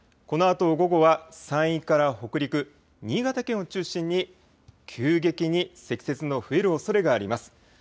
このあと午後は山陰から北陸、新潟県を中心に急激に積雪が増えるおそれがあります。